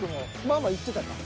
まあまあいってたか。